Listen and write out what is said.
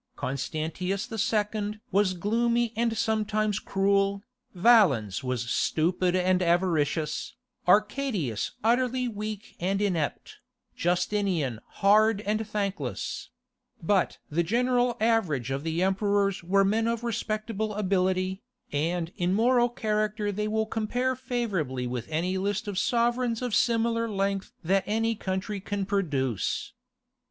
Constantius II. was gloomy and sometimes cruel, Valens was stupid and avaricious, Arcadius utterly weak and inept, Justinian hard and thankless; but the general average of the emperors were men of respectable ability, and in moral character they will compare favourably with any list of sovereigns of similar length that any country can produce.